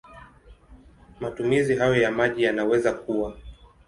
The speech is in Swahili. Matumizi hayo ya maji yanaweza kuwa